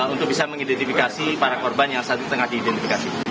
untuk bisa mengidentifikasi para korban yang saat ini tengah diidentifikasi